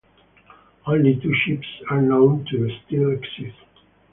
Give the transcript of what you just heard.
Only two ships are known to still exist.